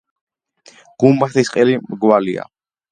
გუმბათის ყელი მრგვალია.